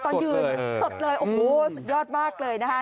สดเลยโอ้โฮยอดมากเลยนะคะ